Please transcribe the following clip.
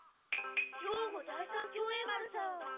兵庫第三協栄丸さん。